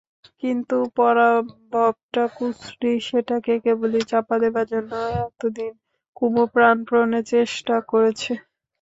কিন্তু পরাভবটা কুশ্রী, সেটাকে কেবলই চাপা দেবার জন্যে এতদিন কুমু প্রাণপণে চেষ্টা করেছে।